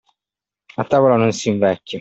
A tavola non si invecchia.